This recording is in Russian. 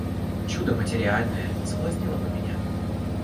Чудо матерьяльное соблазнило бы меня.